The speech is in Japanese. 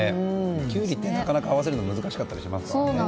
キュウリってなかなか合わせるの難しかったりしますからね。